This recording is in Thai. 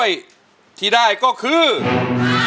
เพลงนี้ที่๕หมื่นบาทแล้วน้องแคน